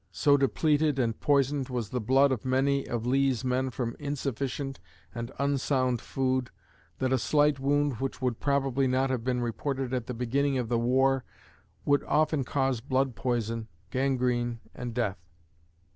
So depleted and poisoned was the blood of many of Lee's men from insufficient and unsound food that a slight wound which would probably not have been reported at the beginning of the war would often cause blood poison, gangrene, and death.